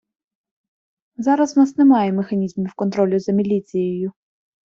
Зараз в нас немає механізмів контролю за міліцією.